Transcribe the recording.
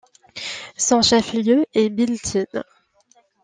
Son chef-lieu est Biltine.